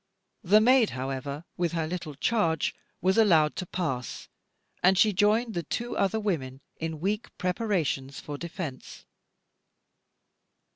The maid, however, with her little charge, was allowed to pass, and she joined the two other women in weak preparations for defence.